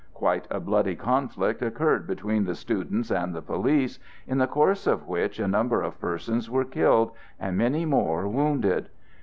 Quite a bloody conflict occurred between the students and the police, in the course of which a number of persons were killed, and many more wounded.